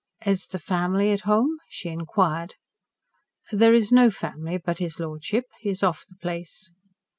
"Is the family at home?" she inquired. "There is no family but his lordship. He is off the place."